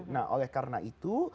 nah oleh karena itu